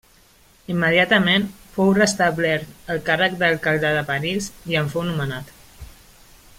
Immediatament fou restablert el càrrec d'alcalde de París i en fou nomenat.